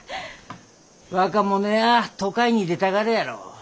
若者や都会に出たがるやろ。